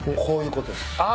こういうことですか？